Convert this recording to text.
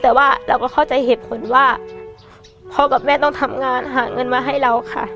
แต่ว่าเราก็เข้าใจเหตุผลว่าพ่อกับแม่ต้องทำงานหาเงินมาให้เราค่ะ